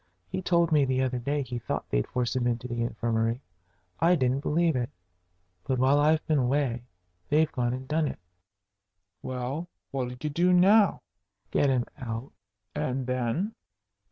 He told me the other day he thought they'd force him into the infirmary. I didn't believe it. But while I've been away they've gone and done it." "Well, what'll you do now?" "Get him out." "And then?"